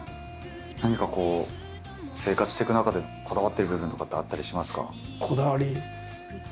何かこう生活していく中でこだわってる部分とかってあったりしますか？